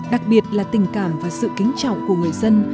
đặc biệt là tình cảm và sự kính trọng của người dân